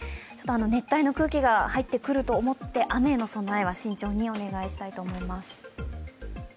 熱帯の空気が入ってくると思って、雨の備えは慎重にお願いしたいと思います。